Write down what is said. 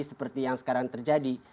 seperti yang sekarang terjadi